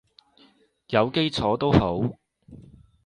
有基礎都好